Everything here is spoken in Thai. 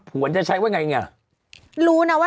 แต่อาจจะส่งมาแต่อาจจะส่งมา